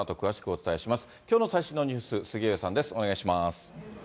お伝えします。